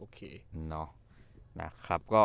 โอเค